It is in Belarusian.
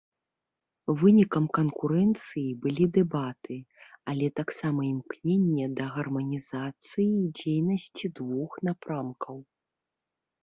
Вынікам канкурэнцыі былі дэбаты, але таксама імкненне да гарманізацыі дзейнасці двух напрамкаў.